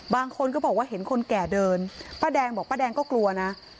บางคนก็บอกว่าเห็นคนแก่เดินป้าแดงบอกป้าแดงก็กลัวนะ